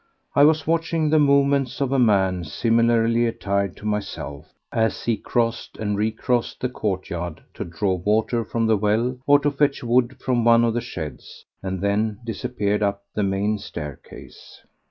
I was watching the movements of a man, similarly attired to myself, as he crossed and recrossed the courtyard to draw water from the well or to fetch wood from one of the sheds, and then disappeared up the main staircase.